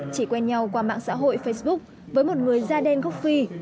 chỉ quen nhau qua mạng xã hội facebook với một người da đen gốc phi